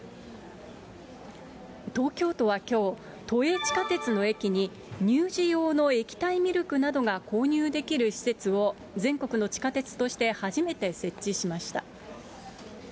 東京都はきょう、都営地下鉄の駅に、乳児用の液体ミルクなどが購入できる施設を、全国の地下鉄として初めて設置しました。